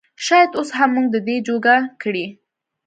شايد اوس هم مونږ د دې جوګه کړي